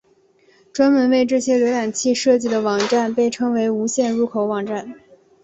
专门为这些浏览器设计的网站被称为无线入口网站。